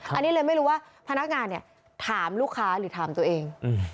อันนี้เลยไม่รู้ว่าพนักงานเนี่ยถามลูกค้าหรือถามตัวเอง